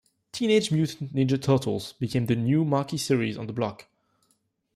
"Teenage Mutant Ninja Turtles" became the new marquee series on the block.